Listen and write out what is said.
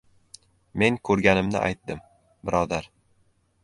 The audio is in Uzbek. — Men ko‘rganimni aytdim, birodar.